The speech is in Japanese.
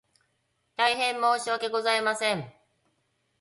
大変申し訳ございません